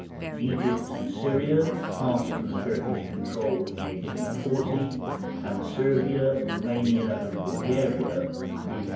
Egypt and Syria passed from Turkish control in 1840, and Servia, Roumania, and Bulgaria in 1878.